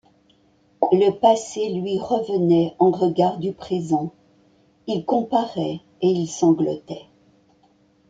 Le passé lui revenait en regard du présent ; il comparait et il sanglotait.